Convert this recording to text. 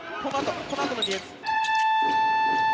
このあとのディフェンス。